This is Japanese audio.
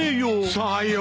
さよう。